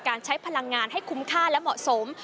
ใช้พลังงานให้คุ้มค่าและเหมาะสม